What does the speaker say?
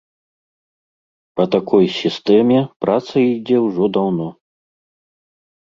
Па такой сістэме праца ідзе ўжо даўно.